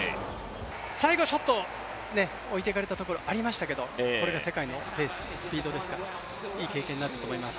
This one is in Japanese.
最後ちょっと置いていかれたところがありましたけど、これが世界のスピードですから、いい経験になったと思います。